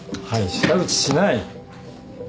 舌打ちしない。